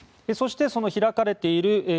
そしてその開かれているＮＡＴＯ